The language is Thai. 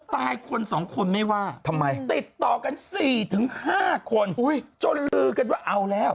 ตายคน๒คนไม่ว่าติดต่อกัน๔ถึง๕คนจนลือกันว่าเอาแล้ว